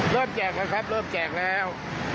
เริ่มแจกครับครับเริ่มแจกแล้ว